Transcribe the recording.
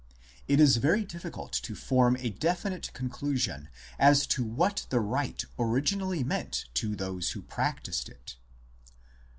It is very difficult to form a definite conclusion as to what the rite originally meant to those who practised it.